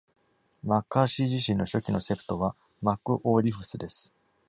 MacCarthys 自身の初期の sept は、MacAuliffes です。